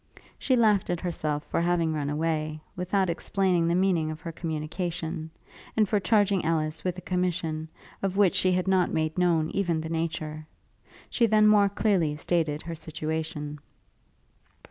She laughed at herself for having run away, without explaining the meaning of her communication; and for charging Ellis with a commission, of which she had not made known even the nature. She then more clearly stated her situation.